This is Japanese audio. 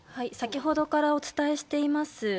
先ほどからお伝えしています